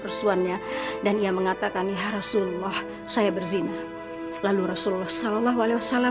persusuannya dan ia mengatakan ya rasulullah saya berzinah lalu rasulullah shallallahu alaihi wasallam